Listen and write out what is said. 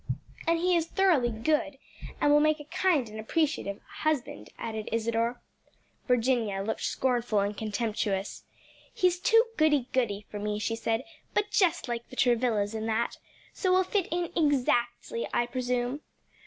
"And he is thoroughly good, and will make a kind and appreciative husband," added Isadore. Virginia looked scornful and contemptuous. "He's too goody goody for me," she said, "but just like the Travillas in that, so will fit in exactly, I presume.